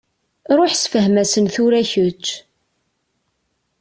Ṛuḥ ssefhem-asen tura kečč.